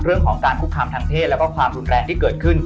เรื่องของการคุกคามทางเพศแล้วก็ความรุนแรงที่เกิดขึ้น